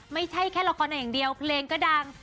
ไม่ใช่แค่ละครอย่างเดียวเพลงก็ดัง